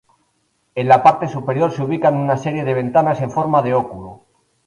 En la parte superior se ubican una serie de ventanas en forma de óculo.